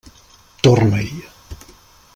Torna-hi.